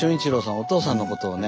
お父さんのことをね